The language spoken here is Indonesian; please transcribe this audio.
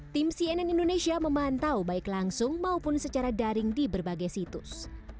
tim cnn indonesia memantau baik langsung maupun secara daring di berbagai situs